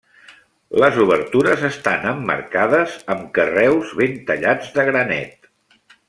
Les obertures estan emmarcades amb carreus ben tallats de granet.